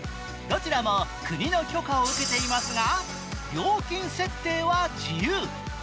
どちらも国の許可を受けていますが、料金設定は自由。